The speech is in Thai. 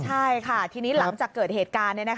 ใช่ค่ะทีนี้หลังจากเกิดเหตุการณ์